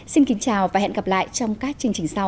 xin kính chào và hẹn gặp lại trong các chương trình sau